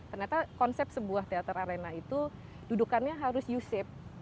ternyata konsep sebuah teater arena itu dudukannya harus u shape